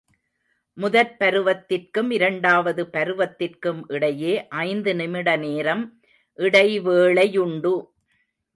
முதற் பருவத்திற்கும் இரண்டாவது பருவத்திற்கும் இடையே ஐந்து நிமிட நேரம் இடைவேளையுண்டு.